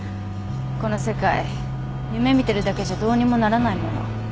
この世界夢見てるだけじゃどうにもならないもの。